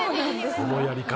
そのやり方。